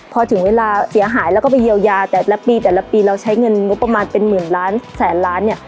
พอถึงเวลาเสียหายแล้วก็ไปเยียวยาแต่ละปีแต่ละปีเราใช้เงินงบประมาณเป็นหมื่นล้านแสนล้านเนี่ย